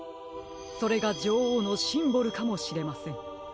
それがじょおうのシンボルかもしれません。